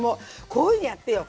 こういうのやってよ。